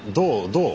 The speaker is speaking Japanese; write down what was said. どう？